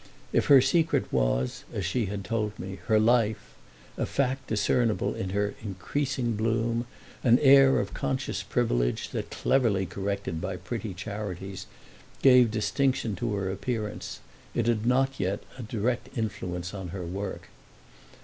If her secret was, as she had told me, her life—a fact discernible in her increasing bloom, an air of conscious privilege that, cleverly corrected by pretty charities, gave distinction to her appearance—it had yet not a direct influence on her work.